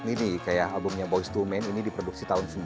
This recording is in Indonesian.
nih kayak albumnya boyz ii men ini diproduksi tahun sembilan puluh empat